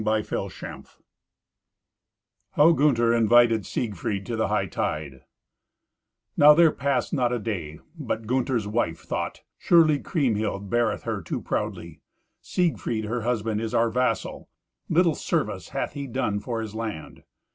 Twelfth Adventure How Gunther Invited Siegfried to the Hightide Now there passed not a day but Gunther's wife thought, "Surely Kriemhild beareth her too proudly. Siegfried, her husband, is our vassal. Little service hath he done for his land."